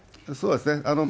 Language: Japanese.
そうですね。